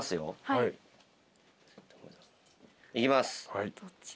いきます。